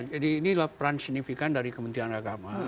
jadi ini adalah peran signifikan dari kementerian agama